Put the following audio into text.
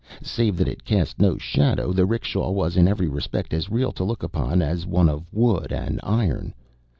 Save that it cast no shadow, the 'rickshaw was in every respect as real to look upon as one of wood and iron.